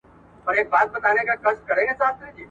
ستا تر آوازه مي بلاله ژوند په داو وهلی ,